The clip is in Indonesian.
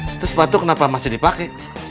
itu sepatu kenapa masih dipakai